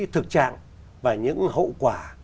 thực trạng và những hậu quả